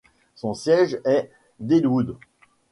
Son siège est Deadwood.